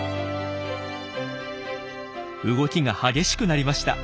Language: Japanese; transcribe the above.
動きが激しくなりました。